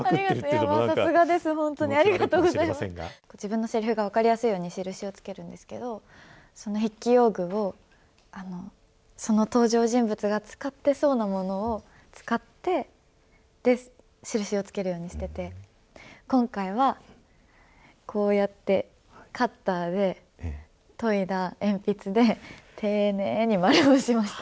自分のせりふが分かりやすいように印をつけるんですけど、その筆記用具を、その登場人物が使ってそうなものを使って、印をつけるようにしてて、今回は、こうやってカッターで研いだ鉛筆で、丁寧に丸をしました。